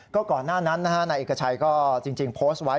ก็ก่อนหน้านั้นนะฮะนายเอกชัยก็จริงโพสต์ไว้